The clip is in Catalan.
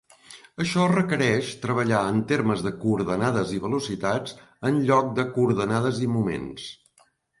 Això requereix treballar en termes de coordenades i velocitats en lloc de coordenades i moments.